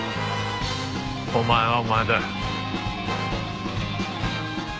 お前はお前だ。